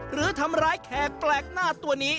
หรือทำร้ายแขกแปลกหน้าตัวนี้